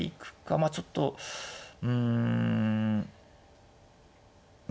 まあちょっとうんま